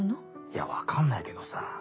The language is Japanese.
いや分かんないけどさ